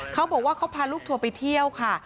เขาบอกว่าเขาพาลูกทัวร์ไปเที่ยวค่ะ